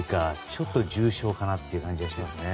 ちょっと重症かなという感じがしますね。